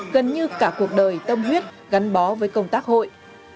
gần như cả cuộc đời tâm huyết gắn bó với công tác hội